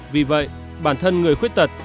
vì vậy bản thân người khuyết tật